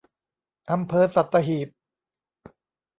อำเภอสัตหีบ